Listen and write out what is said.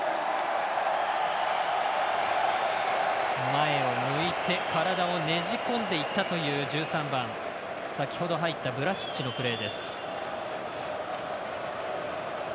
前を向いて、体をねじ込んでいったという１３番先ほど入ったブラシッチのプレーです。